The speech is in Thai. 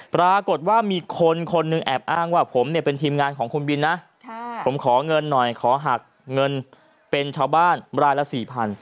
ปรากฏว่ามีคนคนหนึ่งแอบอ้างว่าผมเนี่ยเป็นทีมงานของคุณบินนะผมขอเงินหน่อยขอหักเงินเป็นชาวบ้านรายละ๔๐๐